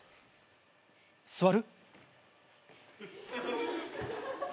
座る？